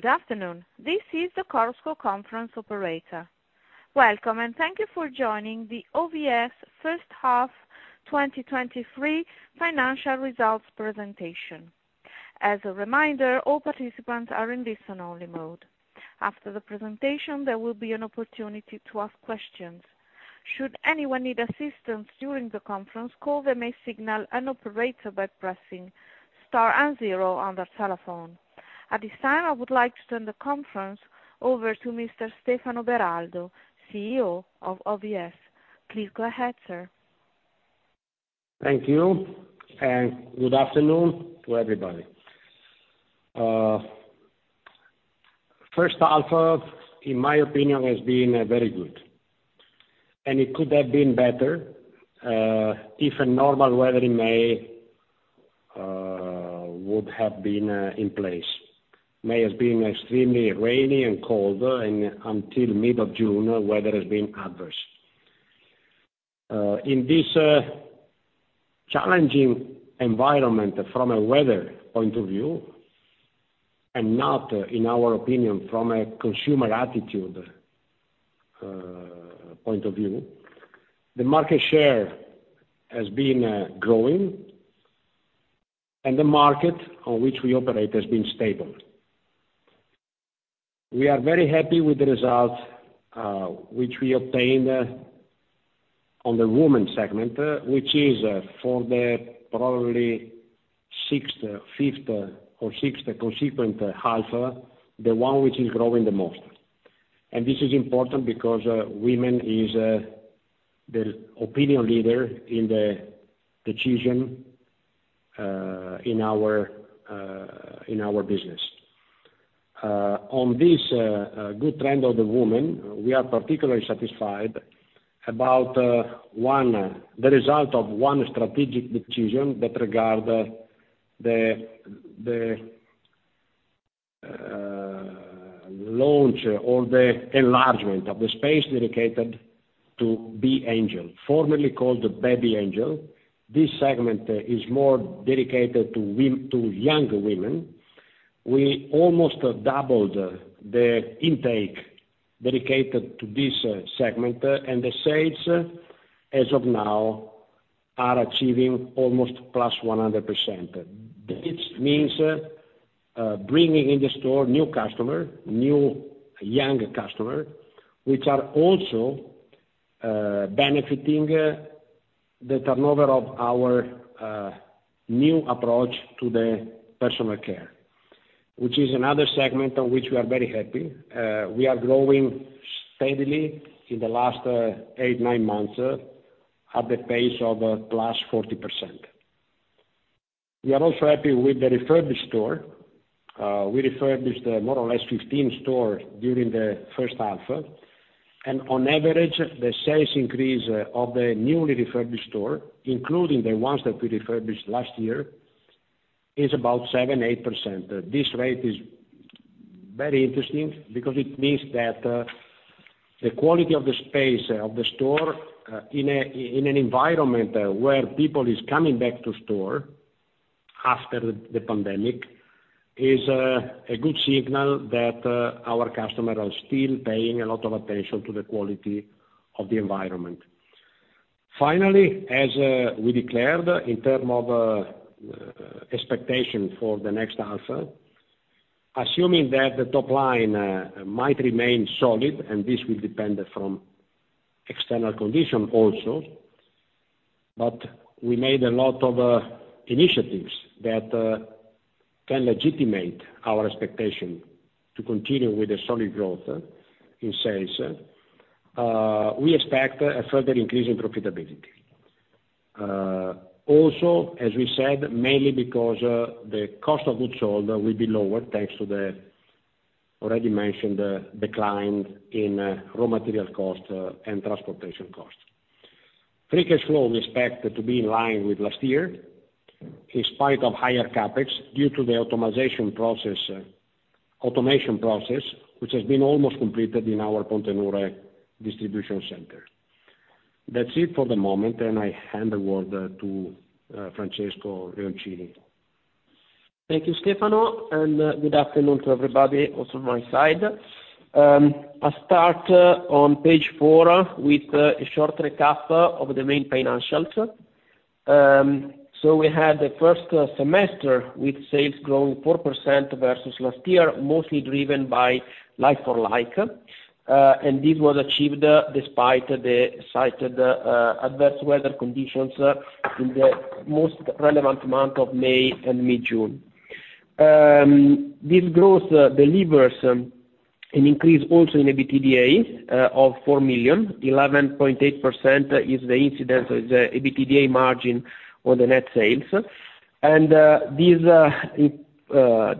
Good afternoon. This is the Chorus Call Conference operator. Welcome, and thank you for joining the OVS first half 2023 financial results presentation. As a reminder, all participants are in listen-only mode. After the presentation, there will be an opportunity to ask questions. Should anyone need assistance during the conference, call they may signal an operator by pressing star and zero on their telephone. At this time, I would like to turn the conference over to Mr. Stefano Beraldo, CEO of OVS. Please go ahead, sir. Thank you, and good afternoon to everybody. First half, in my opinion, has been very good, and it could have been better if a normal weather in May would have been in place. May has been extremely rainy and cold, and until mid of June, weather has been adverse. In this challenging environment from a weather point of view, and not, in our opinion, from a consumer attitude point of view, the market share has been growing and the market on which we operate has been stable. We are very happy with the results, which we obtained on the women segment, which is, for the probably fifth or sixth consequent half, the one which is growing the most. This is important because women is the opinion leader in the decision in our business. On this good trend of the women, we are particularly satisfied about one, the result of one strategic decision that regard the launch or the enlargement of the space dedicated to B.Angel, formerly called the Baby Angel. This segment is more dedicated to younger women. We almost doubled the intake dedicated to this segment, and the sales, as of now, are achieving almost +100%. This means bringing in the store new customer, new, younger customer, which are also benefiting the turnover of our new approach to the personal care, which is another segment on which we are very happy. We are growing steadily in the last 8-9 months at the pace of +40%. We are also happy with the refurbished store. We refurbished more or less 15 stores during the first half, and on average, the sales increase of the newly refurbished store, including the ones that we refurbished last year, is about 7%-8%. This rate is very interesting because it means that the quality of the space of the store in an environment where people is coming back to store after the pandemic is a good signal that our customers are still paying a lot of attention to the quality of the environment. Finally, as we declared in term of expectation for the next half, assuming that the top line might remain solid, and this will depend from external conditions also, but we made a lot of initiatives that can legitimate our expectation to continue with the solid growth in sales. We expect a further increase in profitability. Also, as we said, mainly because the cost of goods sold will be lower, thanks to the already mentioned decline in raw material cost and transportation costs. Free cash flow, we expect to be in line with last year, in spite of higher CapEx, due to the automation process, which has been almost completed in our Pontenure distribution center. That's it for the moment, and I hand the word to Nicola Perin. Thank you, Stefano, and good afternoon to everybody also on my side. I start on page four with a short recap of the main financial. So we had the first semester with sales growing 4% versus last year, mostly driven by like-for-like, and this was achieved despite the cited adverse weather conditions in the most relevant month of May and mid-June. This growth delivers an increase also in EBITDA of 4 million, 11.8% is the incidence of the EBITDA margin on the net sales.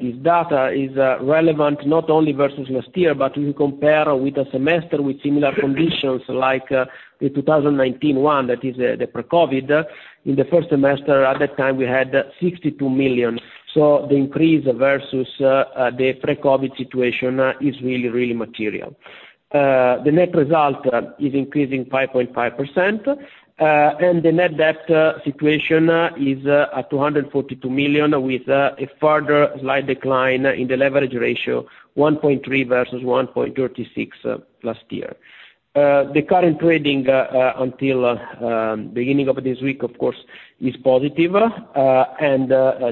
This data is relevant not only versus last year, but if you compare with a semester with similar conditions like the 2019 one, that is the pre-COVID. In the first semester, at that time, we had 62 million, so the increase versus the pre-COVID situation is really, really material. The net result is increasing 5.5%, and the net debt situation is at 242 million with a further slight decline in the leverage ratio, 1.3 versus 1.36 last year. The current trading until beginning of this week, of course, is positive, and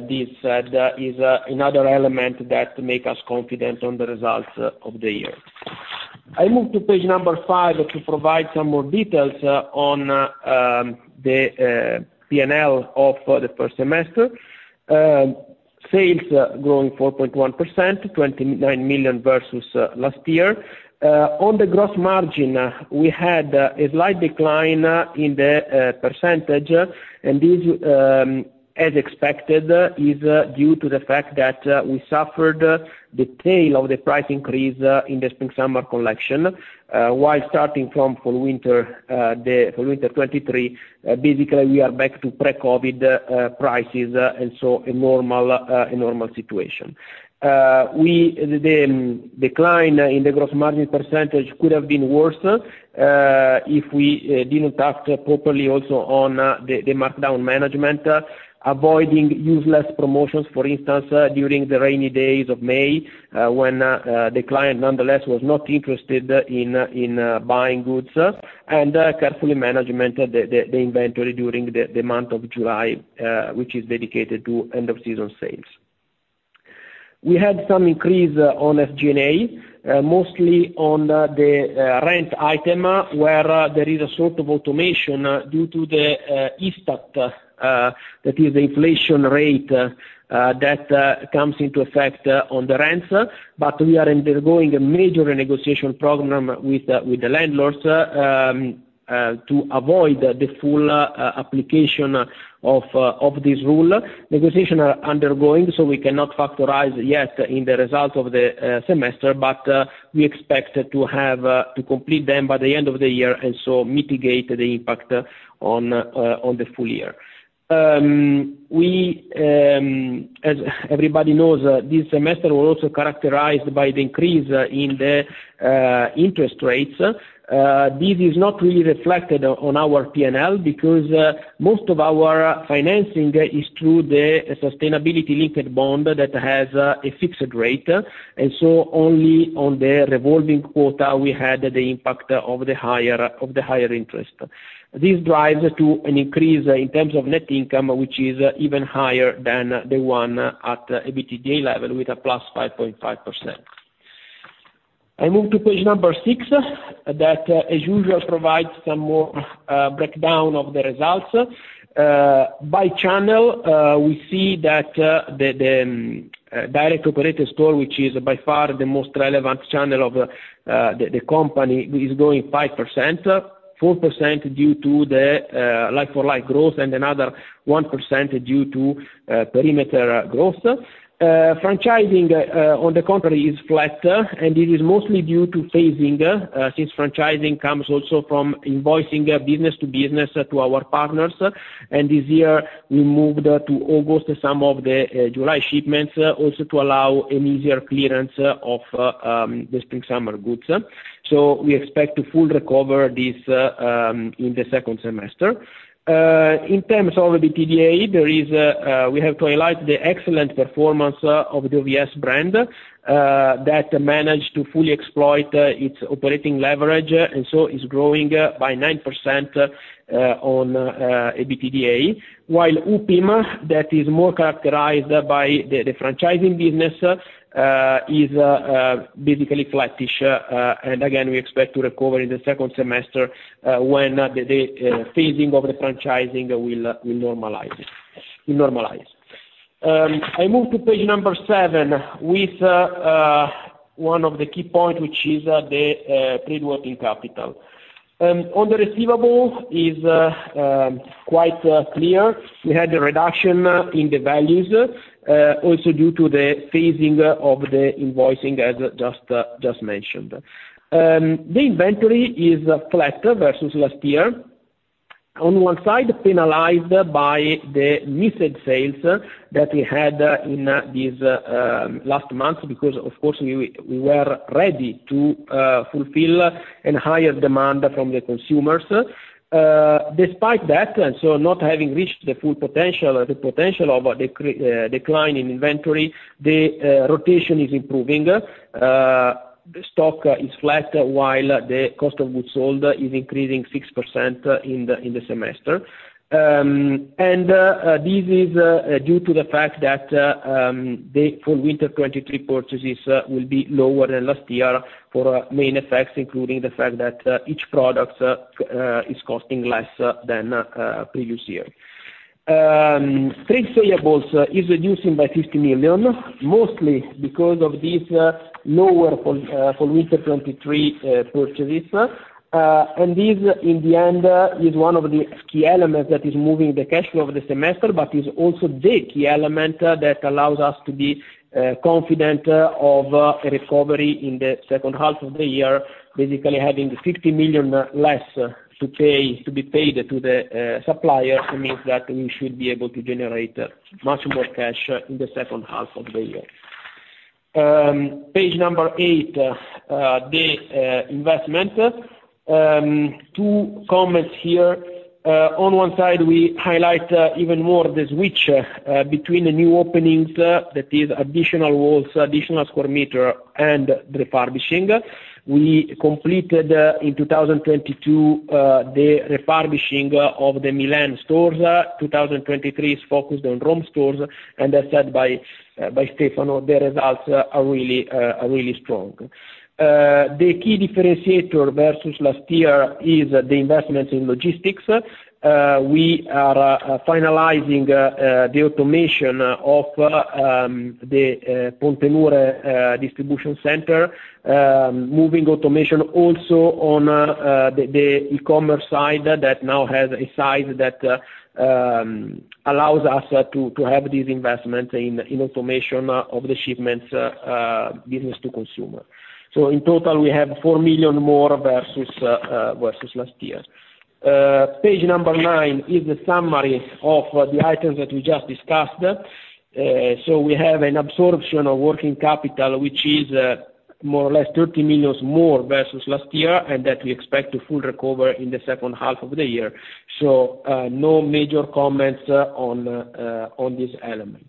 this that is another element that make us confident on the results of the year. I move to page number 5 to provide some more details on the P&L of the first semester. Sales growing 4.1%, 29 million versus last year. On the gross margin, we had a slight decline in the percentage, and this, as expected, is due to the fact that we suffered the tail of the price increase in the spring/summer collection, while starting from fall/winter, the fall/winter 2023, basically, we are back to pre-COVID prices, and so a normal situation. The decline in the gross margin percentage could have been worse if we didn't act properly also on the markdown management, avoiding useless promotions, for instance, during the rainy days of May, when the client nonetheless was not interested in buying goods, and careful management of the inventory during the month of July, which is dedicated to end of season sales. We had some increase on SG&A, mostly on the rent item, where there is a sort of automation due to the Istat, that is the inflation rate, that comes into effect on the rents. But we are undergoing a major renegotiation program with the landlords to avoid the full application of this rule. Negotiation are undergoing, so we cannot factorize yet in the results of the semester, but we expect to have to complete them by the end of the year, and so mitigate the impact on the full year. We, as everybody knows, this semester was also characterized by the increase in the interest rates. This is not really reflected on our P&L, because most of our financing is through the sustainability-linked bond that has a fixed rate, and so only on the revolving quota we had the impact of the higher, of the higher interest. This drives to an increase in terms of net income, which is even higher than the one at EBITDA level, with a +5.5%. I move to page number six, that, as usual, provides some more breakdown of the results. By channel, we see that the directly operated store, which is by far the most relevant channel of the company, is growing 5%. 4% due to the like-for-like growth, and another 1% due to perimeter growth. Franchising, on the contrary, is flat, and it is mostly due to phasing, since franchising comes also from invoicing business to business to our partners, and this year we moved to August some of the July shipments, also to allow an easier clearance of the spring/summer goods. We expect to fully recover this in the second semester. In terms of the EBITDA, we have to highlight the excellent performance of the OVS brand that managed to fully exploit its operating leverage, and so is growing by 9% on EBITDA, while Upim, that is more characterized by the franchising business, is basically flattish. And again, we expect to recover in the second semester, when the phasing of the franchising will normalize. I move to page 7 with one of the key points, which is the pre-working capital. On the receivable is quite clear. We had a reduction in the values, also due to the phasing of the invoicing, as just mentioned. The inventory is flat versus last year. On one side, penalized by the missed sales that we had in these last month, because of course, we were ready to fulfill a higher demand from the consumers. Despite that, and so not having reached the full potential, the potential of a decline in inventory, the rotation is improving. The stock is flat, while the Cost of Goods Sold is increasing 6% in the semester. And this is due to the fact that the fall/winter 2023 purchases will be lower than last year for main effects, including the fact that each product is costing less than previous year. Trade payables is reducing by 50 million, mostly because of this lower fall/winter 2023 purchases. And this, in the end, is one of the key elements that is moving the cash flow of the semester, but is also the key element that allows us to be confident of a recovery in the second half of the year. Basically, having the 50 million less to pay, to be paid to the supplier means that we should be able to generate much more cash in the second half of the year. Page number 8, the investment. Two comments here. On one side, we highlight even more the switch between the new openings, that is additional walls, additional square meter and the refurbishing. We completed in 2022 the refurbishing of the Milan stores. 2023 is focused on Rome stores, and as said by Stefano, the results are really strong. The key differentiator versus last year is the investments in logistics. We are finalizing the automation of the Pontenure distribution center, moving automation also on the e-commerce side that now has a size that allows us to have this investment in automation of the shipments, business to consumer. So in total, we have 4 million more versus last year. Page number 9 is the summary of the items that we just discussed. So we have an absorption of working capital, which is more or less 30 million more versus last year, and that we expect to full recover in the second half of the year. So no major comments on this element.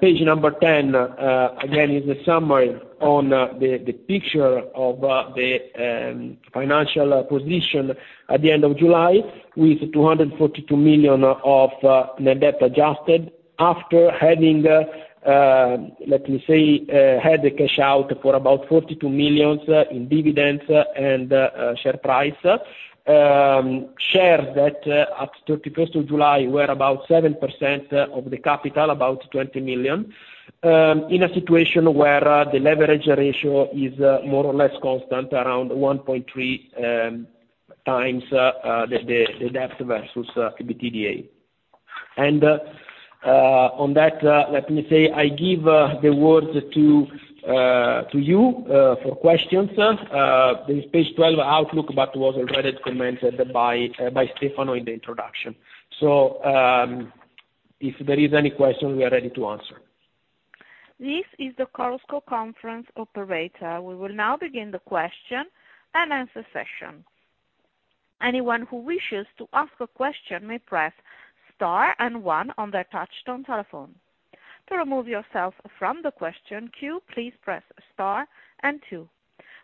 Page number ten is a summary on the picture of the financial position at the end of July, with 242 million of net debt adjusted after having, let me say, had the cash out for about 42 million in dividends and share price. Shares that, at thirty-first of July, were about 7% of the capital, about 20 million. In a situation where the leverage ratio is more or less constant, around 1.3 times the debt versus EBITDA. On that, let me say, I give the word to you for questions. The page twelve outlook was already commented by Stefano in the introduction. If there is any question, we are ready to answer. This is the Chorus Call conference operator. We will now begin the question and answer session. Anyone who wishes to ask a question may press star and one on their touchtone telephone. To remove yourself from the question queue, please press star and two.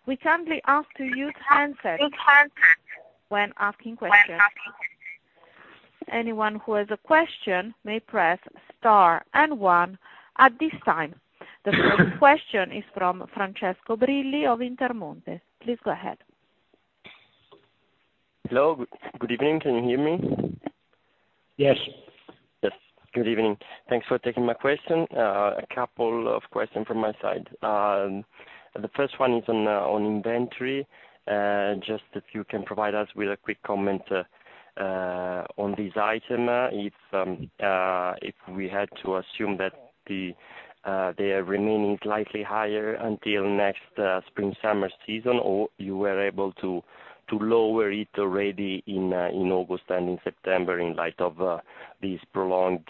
We kindly ask to use handset, when asking questions. Anyone who has a question may press star and one at this time. The first question is from Francesco Brilli of Intermonte. Please go ahead. Hello, good evening. Can you hear me? Yes. Yes, good evening. Thanks for taking my question. A couple of questions from my side. The first one is on inventory. Just if you can provide us with a quick comment on this item, if we had to assume that they are remaining slightly higher until next spring, summer season, or you were able to lower it already in August and in September in light of these prolonged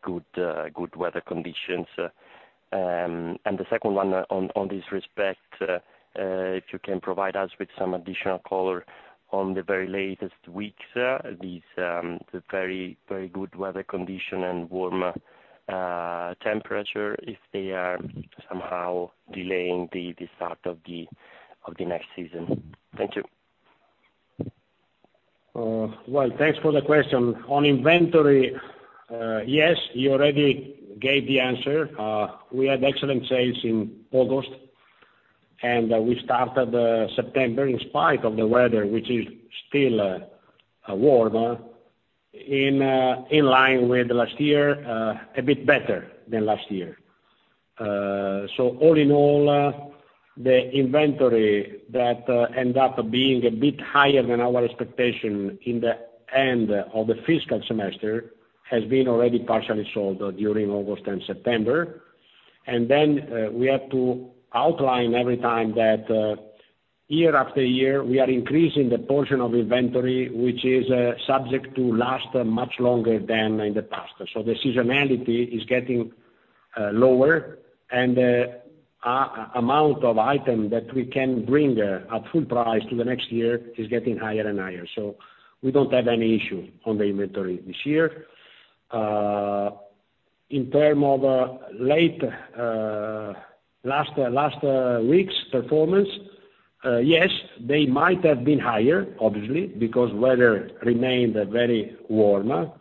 good weather conditions. And the second one on this respect, if you can provide us with some additional color on the very latest weeks, these very good weather condition and warmer temperature, if they are somehow delaying the start of the next season. Thank you. Well, thanks for the question. On inventory, yes, you already gave the answer. We had excellent sales in August, and we started September, in spite of the weather, which is still warm, in line with last year, a bit better than last year. So all in all, the inventory that end up being a bit higher than our expectation in the end of the fiscal semester, has been already partially sold during August and September. And then, we have to outline every time that, year after year, we are increasing the portion of inventory, which is subject to last much longer than in the past. The seasonality is getting lower, and the amount of item that we can bring at full price to the next year is getting higher and higher. We don't have any issue on the inventory this year. In terms of late last week's performance, yes, they might have been higher, obviously, because weather remained very warm,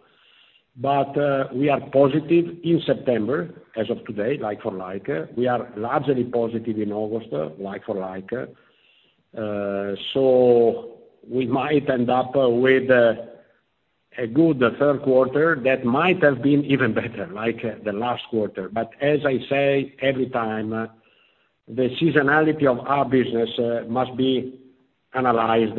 but we are positive in September, as of today, like-for-like. We are largely positive in August, like-for-like. We might end up with a good third quarter that might have been even better, like the last quarter. As I say every time, the seasonality of our business must be analyzed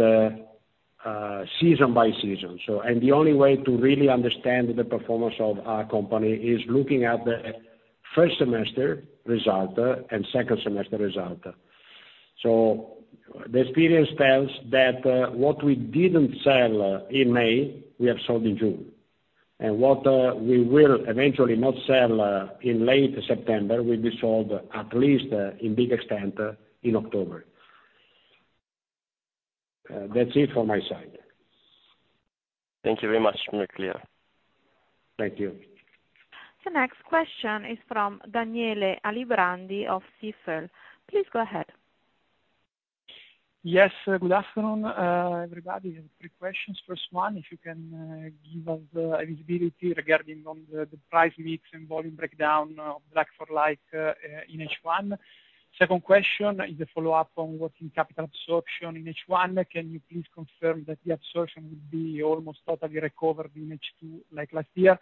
season by season. The only way to really understand the performance of our company is looking at the first semester result and second semester result.... So the experience tells that, what we didn't sell in May, we have sold in June. And what we will eventually not sell in late September will be sold at least in big extent in October. That's it from my side. Thank you very much, very clear. Thank you. The next question is from Daniele Alibrandi of Stifel. Please go ahead. Yes, good afternoon, everybody. Three questions. First one, if you can, give us, visibility regarding on the, the price mix and volume breakdown, like for like, in H1. Second question is a follow-up on working capital absorption in H1. Can you please confirm that the absorption will be almost totally recovered in H2, like last year?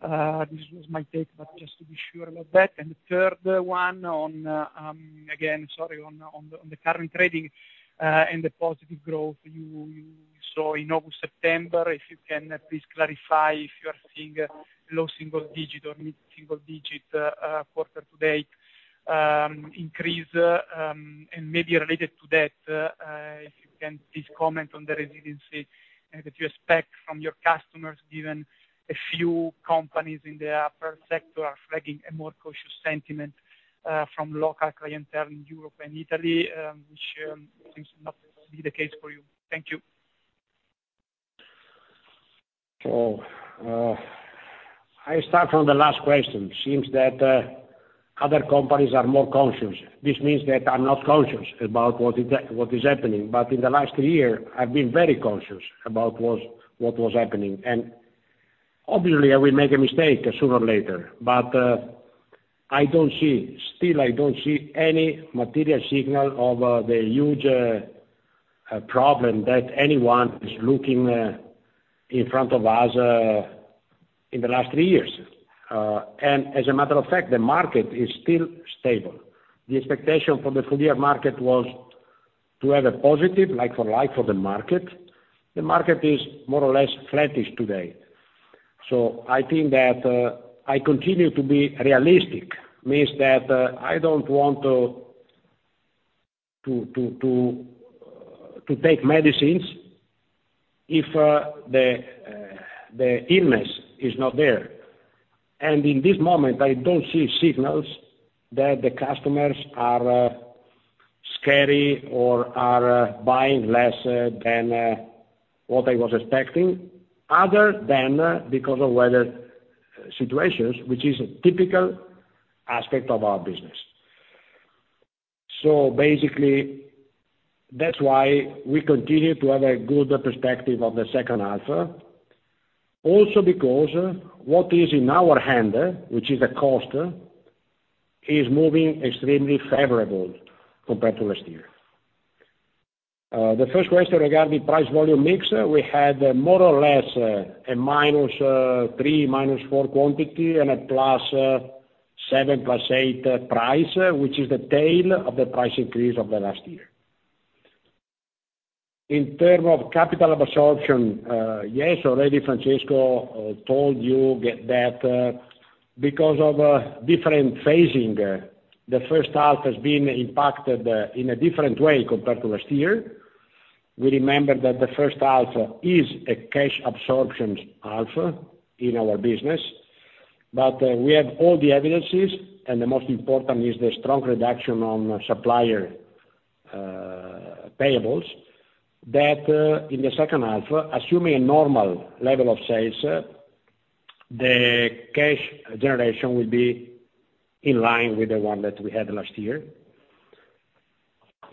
This was my take, but just to be sure about that. And the third one on, again, sorry, on the current trading, and the positive growth you saw in August, September, if you can, please clarify if you are seeing a low single digit or mid-single digit, quarter to date, increase. Maybe related to that, if you can please comment on the resiliency that you expect from your customers, given a few companies in the upper sector are flagging a more cautious sentiment from local clientele in Europe and Italy, which seems not to be the case for you. Thank you. I start from the last question. Seems that other companies are more cautious. This means that I'm not cautious about what is happening, but in the last year, I've been very cautious about what was happening. Obviously, I will make a mistake sooner or later, but I don't see, still I don't see any material signal of the huge problem that anyone is looking in front of us in the last three years. As a matter of fact, the market is still stable. The expectation for the full year market was to have a positive like-for-like for the market. The market is more or less flattish today. I think that I continue to be realistic, means that I don't want to take medicines if the illness is not there. In this moment, I don't see signals that the customers are scary or are buying less than what I was expecting, other than because of weather situations, which is a typical aspect of our business. Basically, that's why we continue to have a good perspective of the second half, also because what is in our hand, which is the cost, is moving extremely favorable compared to last year. The first question regarding price volume mix, we had more or less a -3% to -4% quantity and a +7% to +8% price, which is the tail of the price increase of last year. In terms of capital absorption, yes, already Francesco told you that, because of different phasing, the first half has been impacted in a different way compared to last year. We remember that the first half is a cash absorption half in our business, but we have all the evidence, and the most important is the strong reduction on supplier payables, that in the second half, assuming a normal level of sales, the cash generation will be in line with the one that we had last year.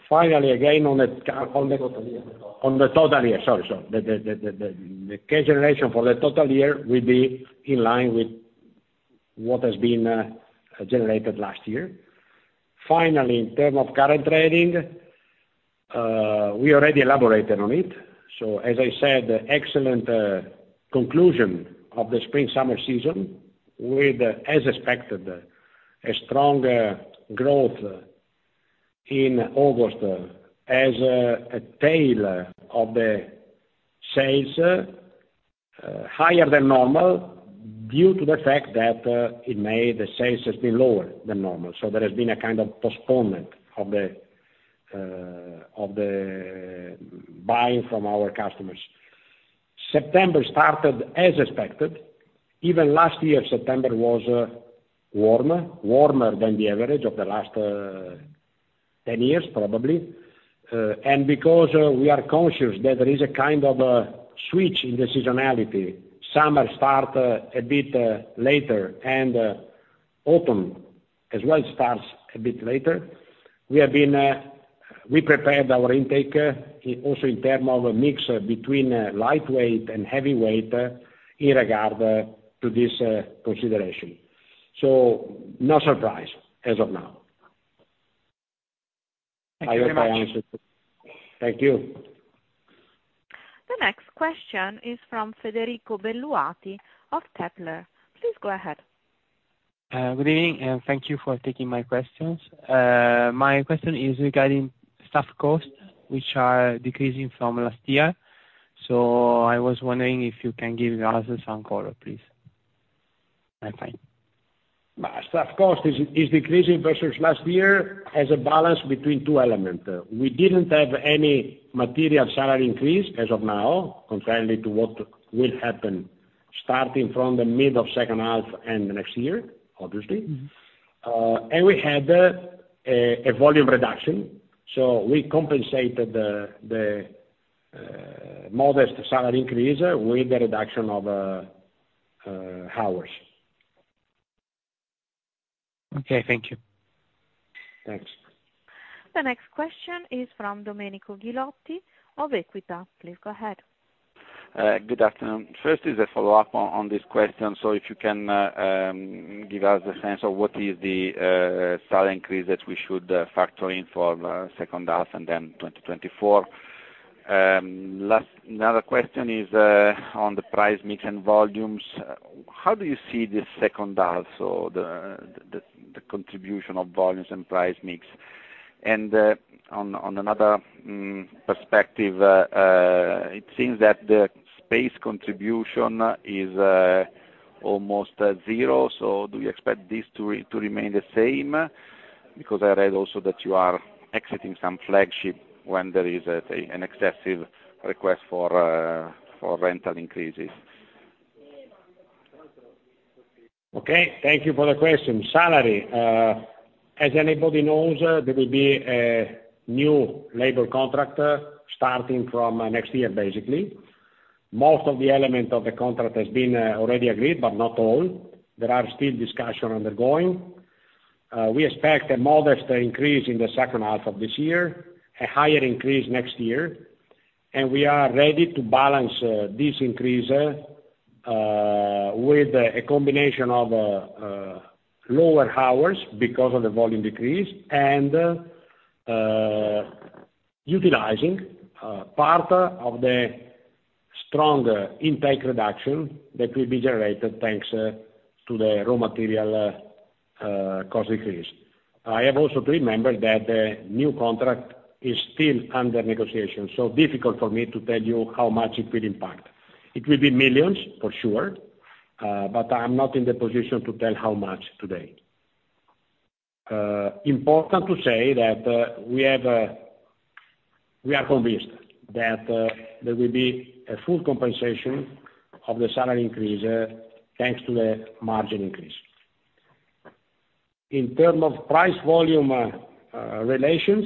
Finally, again, on the ca- On the total year. On the total year, sorry, sorry. The cash generation for the total year will be in line with what has been generated last year. Finally, in term of current trading, we already elaborated on it. So as I said, excellent conclusion of the spring/summer season with, as expected, a strong growth in August, as a tail of the sales higher than normal due to the fact that in May, the sales has been lower than normal. So there has been a kind of postponement of the buying from our customers. September started as expected. Even last year, September was warmer, warmer than the average of the last 10 years, probably. And because we are conscious that there is a kind of a switch in the seasonality, summer start a bit later and autumn as well starts a bit later, we prepared our intake also in terms of a mix between lightweight and heavyweight in regard to this consideration. So no surprise as of now. Thank you very much. Thank you. The next question is from Federico Belluati of Kepler Cheuvreux. Please go ahead. Good evening, and thank you for taking my questions. My question is regarding staff costs, which are decreasing from last year. So I was wondering if you can give us some color, please?... I think. Staff cost is decreasing versus last year as a balance between two elements. We didn't have any material salary increase as of now, concerning what will happen starting from the mid of second half and the next year, obviously. And we had a volume reduction, so we compensated the modest salary increase with the reduction of hours. Okay, thank you. Thanks. The next question is from Domenico Ghilotti of Equita. Please go ahead. Good afternoon. First is a follow-up on this question. So if you can give us a sense of what is the salary increase that we should factor in for the second half and then 2024. Another question is on the price mix and volumes. How do you see the second half or the contribution of volumes and price mix? And on another perspective, it seems that the space contribution is almost zero. So do you expect this to remain the same? Because I read also that you are exiting some flagship when there is an excessive request for rental increases. Okay, thank you for the question. Salary, as anybody knows, there will be a new labor contract starting from next year, basically. Most of the element of the contract has been already agreed, but not all. There are still discussion undergoing. We expect a modest increase in the second half of this year, a higher increase next year, and we are ready to balance this increase with a combination of lower hours because of the volume decrease and utilizing part of the strong impact reduction that will be generated, thanks to the raw material cost increase. I have also to remember that the new contract is still under negotiation, so difficult for me to tell you how much it will impact. It will be millions, for sure, but I'm not in the position to tell how much today. Important to say that, we have, we are convinced that, there will be a full compensation of the salary increase, thanks to the margin increase. In terms of price-volume relations,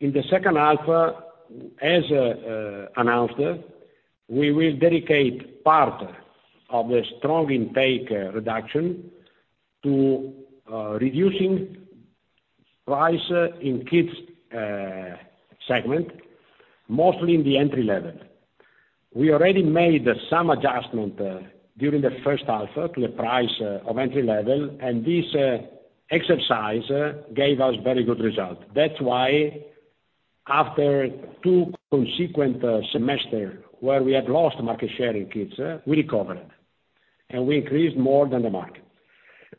in the second half, as announced, we will dedicate part of the strong intake reduction to reducing price in kids', segment, mostly in the entry level. We already made some adjustment, during the first half, to the price, of entry level, and this, exercise, gave us very good result. That's why after two consecutive semesters, where we had lost market share in kids, we recovered, and we increased more than the market.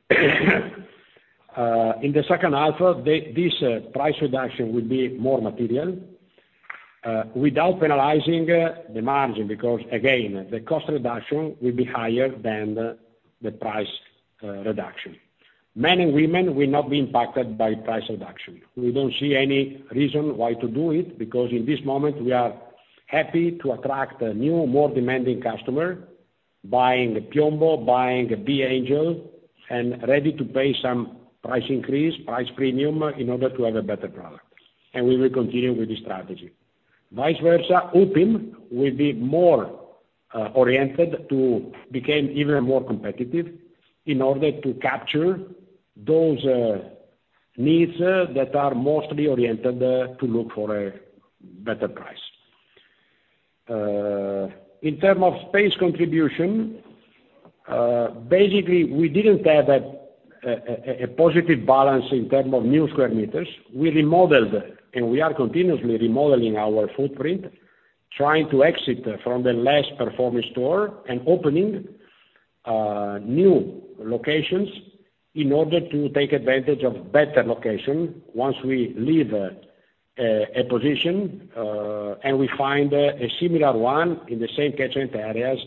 In the second half, this price reduction will be more material without penalizing the margin, because again, the cost reduction will be higher than the price reduction. Men and women will not be impacted by price reduction. We don't see any reason why to do it, because in this moment, we are happy to attract a new, more demanding customer buying Piombo, buying B. Angel, and ready to pay some price increase, price premium in order to have a better product, and we will continue with this strategy. Vice versa, Upim will be more oriented to become even more competitive in order to capture those needs that are mostly oriented to look for a better price. In term of space contribution, basically, we didn't have a positive balance in term of new square meters. We remodeled, and we are continuously remodeling our footprint, trying to exit from the last performing store and opening new locations in order to take advantage of better location once we leave a position and we find a similar one in the same catchment areas,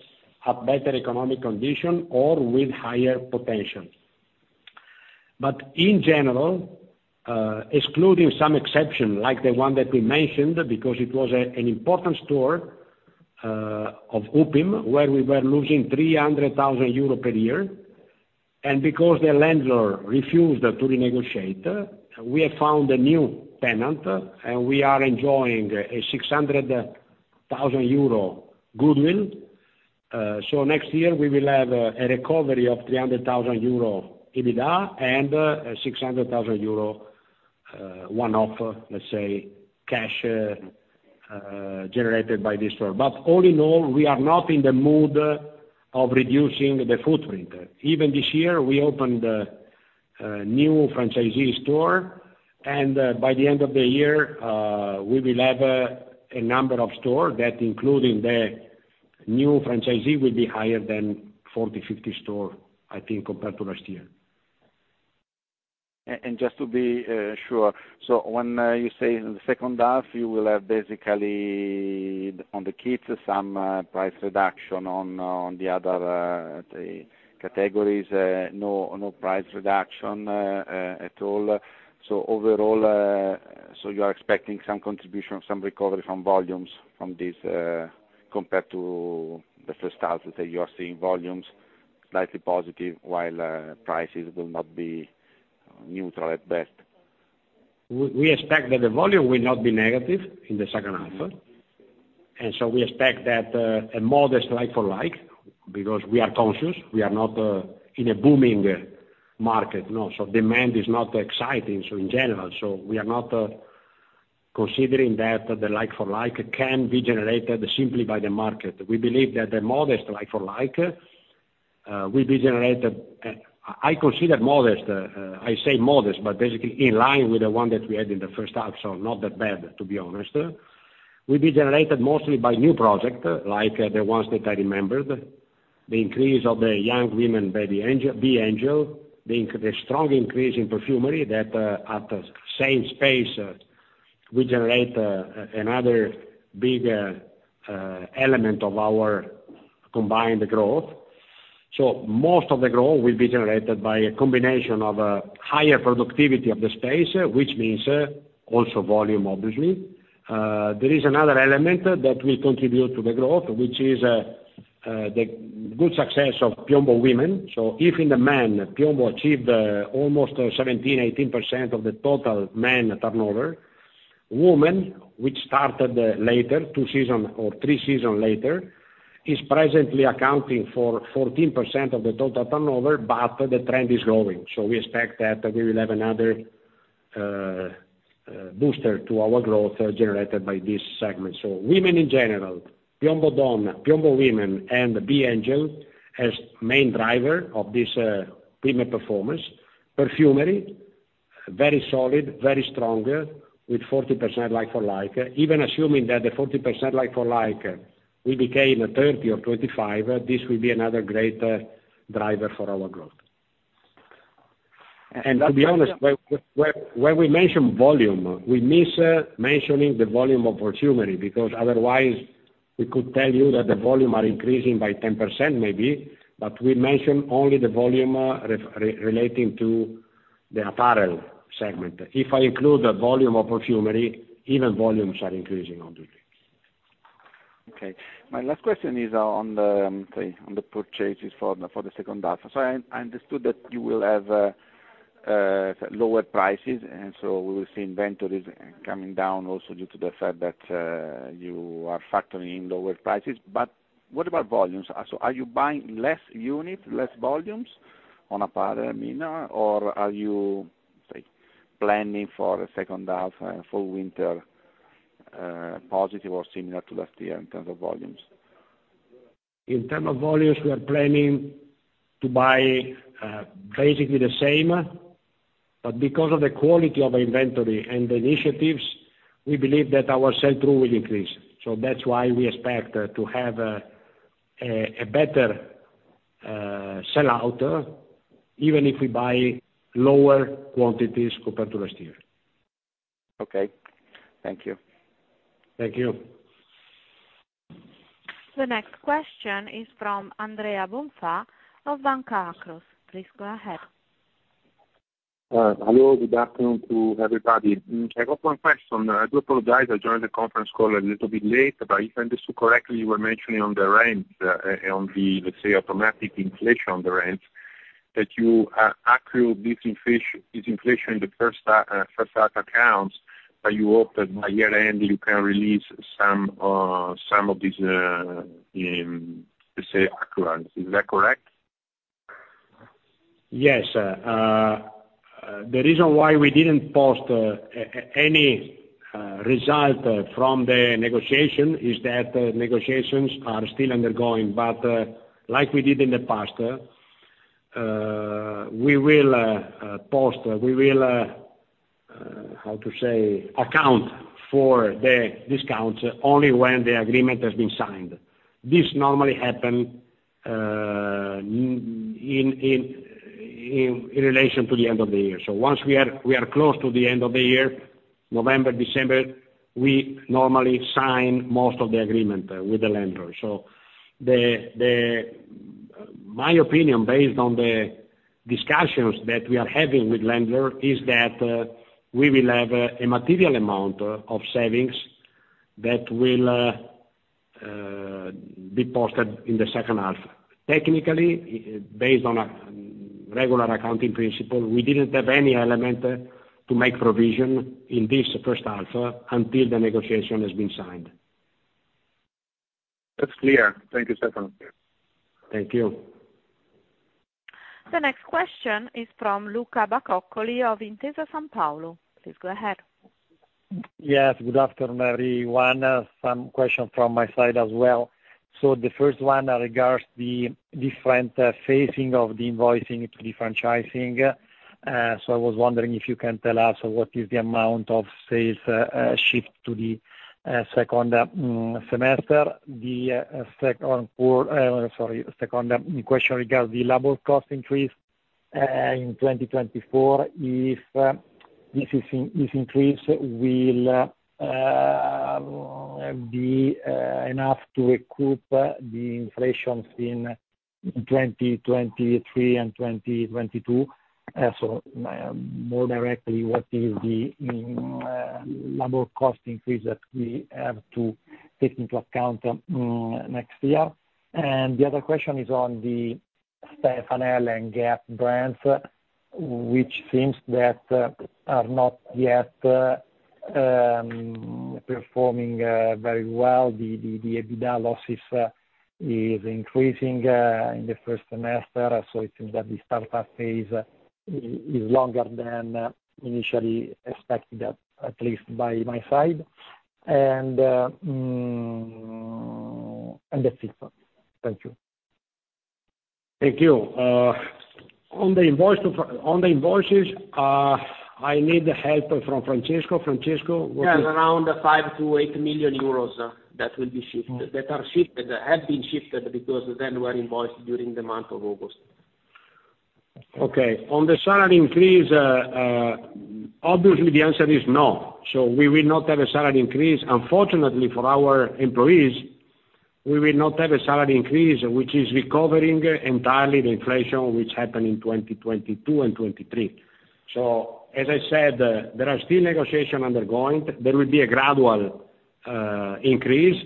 a better economic condition or with higher potential. In general, excluding some exception, like the one that we mentioned, because it was an important store of Upim, where we were losing 300,000 euros per year, and because the landlord refused to renegotiate, we have found a new tenant, and we are enjoying a 600,000 euro goodwill. Next year we will have a recovery of 300,000 euro EBITDA and 600,000 euro one-off, let's say, cash generated by this store. All in all, we are not in the mood of reducing the footprint. Even this year, we opened a new franchisee store, and by the end of the year, we will have a number of stores that, including the new franchisee, will be higher than 40-50 stores, I think, compared to last year. Just to be sure, when you say in the second half you will have basically on the kids some price reduction, on the other categories no price reduction at all. Overall, you are expecting some contribution, some recovery from volumes from this compared to the first half, that you are seeing volumes slightly positive, while prices will not be neutral at best? We, we expect that the volume will not be negative in the second half. And so we expect that, a modest like-for-like, because we are conscious, we are not, in a booming market, no. So demand is not exciting. So in general, so we are not, considering that the like-for-like can be generated simply by the market. We believe that the modest like-for-like, will be generated... I consider modest, I say modest, but basically in line with the one that we had in the first half, so not that bad, to be honest, will be generated mostly by new project, like the ones that I remembered, the increase of the young women by B.Angel, B.Angel, the strong increase in perfumery that, at the same space, will generate another big element of our combined growth. Most of the growth will be generated by a combination of higher productivity of the space, which means also volume, obviously. There is another element that will contribute to the growth, which is the good success of Piombo women. So if in the men, Piombo achieved almost 17, 18% of the total men turnover, women, which started later, two seasons or three seasons later, is presently accounting for 14% of the total turnover, but the trend is growing. So we expect that we will have another booster to our growth generated by this segment. So women in general, Piombo Donna, Piombo women, and B.Angel, as main driver of this premium performance. Perfumery, very solid, very strong, with 40% like-for-like. Even assuming that the 40% like-for-like will become a 30 or 25, this will be another great driver for our growth. To be honest, when we mention volume, we miss mentioning the volume of perfumery, because otherwise we could tell you that the volume are increasing by 10% maybe, but we mention only the volume relating to the apparel segment. If I include the volume of perfumery, even volumes are increasing obviously. Okay. My last question is on the purchases for the second half. So I understood that you will have lower prices, and so we will see inventories coming down also due to the fact that you are factoring in lower prices. But what about volumes? So are you buying less unit, less volumes on apparel, I mean, or are you, say, planning for a second half and full winter positive or similar to last year in terms of volumes? In terms of volumes, we are planning to buy, basically the same, but because of the quality of inventory and the initiatives, we believe that our sell-through will increase. So that's why we expect to have a better sellout even if we buy lower quantities compared to last year. Okay. Thank you. Thank you. The next question is from Andrea Bonfà of Banca Akros. Please go ahead. Hello, good afternoon to everybody. I got one question. I do apologize, I joined the conference call a little bit late, but if I understood correctly, you were mentioning on the rent, on the, let's say, automatic inflation on the rent, that you accrue this inflation in the first half accounts, but you hope that by year-end you can release some of these, let's say, accrual. Is that correct? Yes. The reason why we didn't post any result from the negotiation is that negotiations are still undergoing, but, like we did in the past, we will account for the discounts only when the agreement has been signed. This normally happen in relation to the end of the year. So once we are close to the end of the year, November, December, we normally sign most of the agreement with the lender. So my opinion, based on the discussions that we are having with lender, is that we will have a material amount of savings that will be posted in the second half. Technically, based on a regular accounting principle, we didn't have any element to make provision in this first half, until the negotiation has been signed. That's clear. Thank you, Stefano. Thank you. The next question is from Luca Bacoccoli of Intesa Sanpaolo. Please go ahead. Yes, good afternoon, everyone. Some questions from my side as well. So the first one regards the different phasing of the invoicing to the franchising. So I was wondering if you can tell us what is the amount of sales shift to the second semester? The second quarter, sorry, second question regards the labor cost increase in 2024, if this increase will be enough to recoup the inflations in 2023 and 2022? So more directly, what is the labor cost increase that we have to take into account next year? And the other question is on the Stefanel and GAP brands, which seems that are not yet performing very well. The EBITDA losses is increasing in the first semester, so it seems that the startup phase is longer than initially expected, at least by my side. And that's it. Thank you. Thank you. On the invoice to—on the invoices, I need help from Francesco. Francesco, what is- Yeah, around 5 million-8 million euros that will be shifted, that are shifted, have been shifted, because then were invoiced during the month of August. Okay, on the salary increase, obviously, the answer is no. So we will not have a salary increase. Unfortunately for our employees, we will not have a salary increase, which is recovering entirely the inflation which happened in 2022 and 2023. So, as I said, there are still negotiations undergoing. There will be a gradual increase,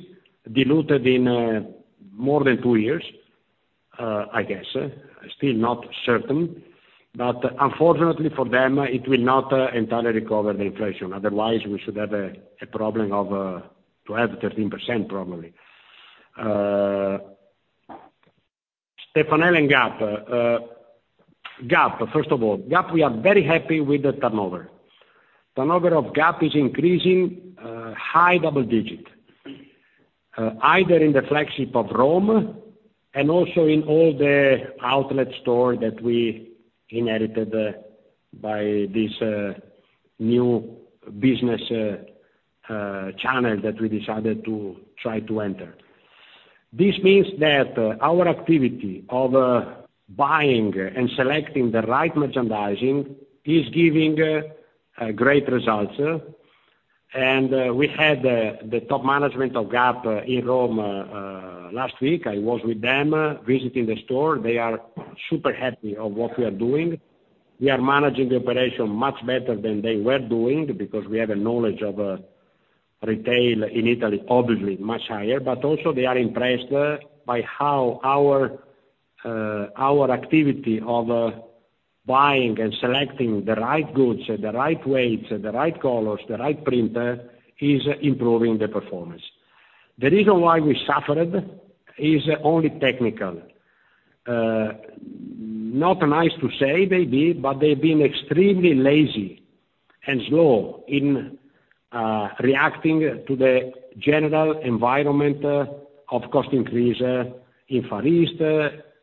diluted in more than two years, I guess, still not certain. But unfortunately for them, it will not entirely recover the inflation, otherwise we should have a problem of 12%-13% probably. Stefanel and GAP. GAP, first of all, GAP we are very happy with the turnover. Turnover of GAP is increasing high double digit either in the flagship of Rome and also in all the outlet store that we inherited by this new business channel that we decided to try to enter. This means that our activity of buying and selecting the right merchandising is giving great results and we had the top management of GAP in Rome last week. I was with them visiting the store. They are super happy of what we are doing. We are managing the operation much better than they were doing because we have a knowledge of retail in Italy obviously much higher. They are also impressed by how our activity of buying and selecting the right goods, the right weights, the right colors, the right printer, is improving the performance. The reason why we suffered is only technical. Not nice to say, maybe, but they've been extremely lazy and slow in reacting to the general environment of cost increase in Far East,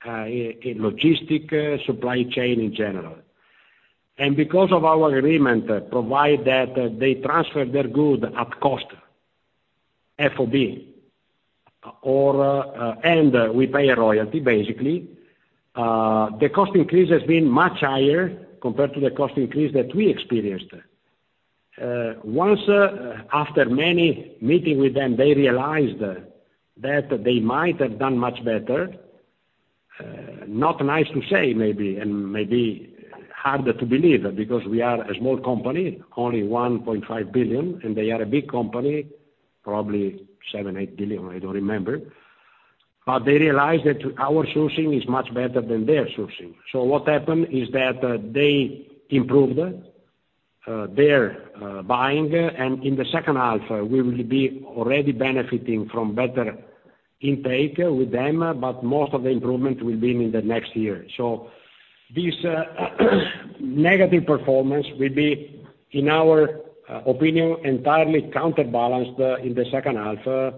in logistic, supply chain in general. Because our agreement provides that they transfer their goods at cost, FOB, or, and we pay a royalty, basically, the cost increase has been much higher compared to the cost increase that we experienced. Once, after many meetings with them, they realized that they might have done much better. Not nice to say, maybe, and maybe harder to believe, because we are a small company, only 1.5 billion, and they are a big company, probably 7-8 billion, I don't remember. They realized that our sourcing is much better than their sourcing. What happened is that they improved their buying, and in the second half, we will be already benefiting from better intake with them, but most of the improvement will be in the next year. This negative performance will be, in our opinion, entirely counterbalanced in the second half,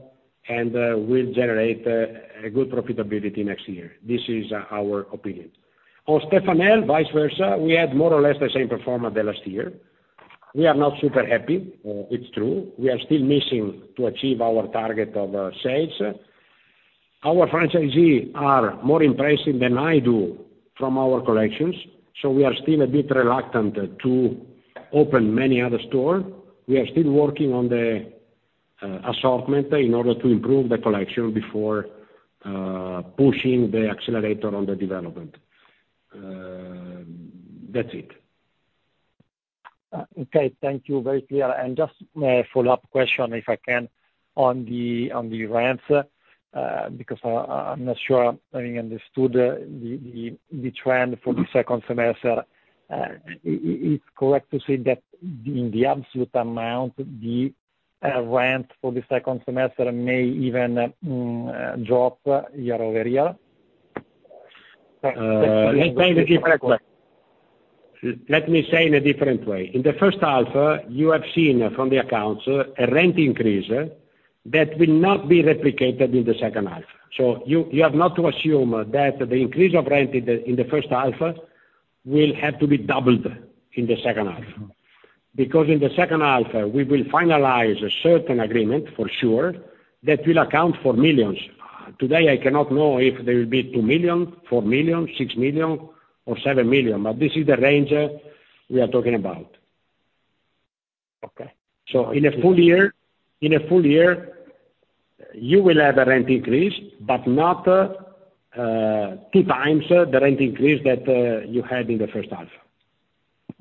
and will generate a good profitability next year. This is our opinion. On Stefanel, vice versa, we had more or less the same performance the last year. We are not super happy, it's true. We are still missing to achieve our target of sales. Our franchisee are more impressive than I do from our collections, so we are still a bit reluctant to open many other store. We are still working on the assortment in order to improve the collection before pushing the accelerator on the development. That's it. Okay, thank you, very clear. Just a follow-up question, if I can, on the rents, because I'm not sure I understood the trend for the second semester. It's correct to say that in the absolute amount, the rent for the second semester may even drop year over year? Let me say it a different way. Let me say in a different way. In the first half, you have seen from the accounts a rent increase that will not be replicated in the second half. So you, you have not to assume that the increase of rent in the, in the first half, will have to be doubled in the second half. Because in the second half, we will finalize a certain agreement, for sure, that will account for millions. Today, I cannot know if there will be 2 million, 4 million, 6 million, or 7 million, but this is the range we are talking about. Okay. So in a full year, in a full year, you will have a rent increase, but not two times the rent increase that you had in the first half.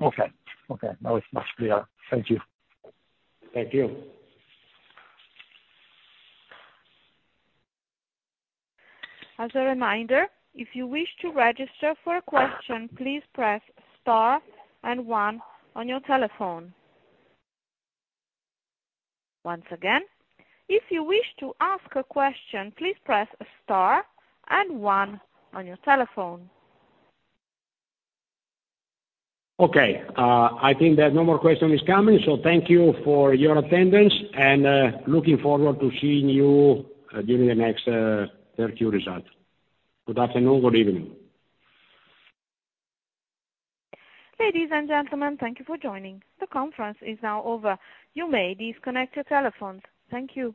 Okay. Okay, now it's much clearer. Thank you. Thank you. As a reminder, if you wish to register for a question, please press star and one on your telephone. Once again, if you wish to ask a question, please press star and one on your telephone. Okay, I think that no more question is coming, so thank you for your attendance and looking forward to seeing you during the next third quarter results. Good afternoon, good evening. Ladies and gentlemen, thank you for joining. The conference is now over. You may disconnect your telephones. Thank you.